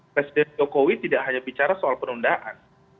presiden jokowi tidak hanya bicara soal penundaan